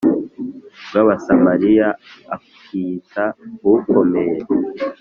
bw Abasamariya akiyita ukomeye